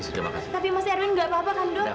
tidak ada wajah